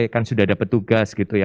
kan sudah ada petugas gitu ya